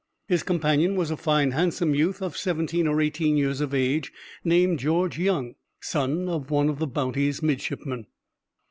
His companion was a fine handsome youth, of seventeen or eighteen years of age, named George Young, son of one of the Bounty's midshipmen.